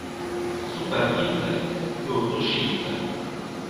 Superpinte — nur tuŝinte.